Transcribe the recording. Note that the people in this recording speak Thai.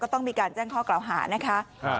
ต้องมีการแจ้งข้อกล่าวหานะคะ